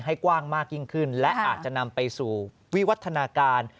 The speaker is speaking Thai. กว้างมากยิ่งขึ้นและอาจจะนำไปสู่วิวัฒนาการ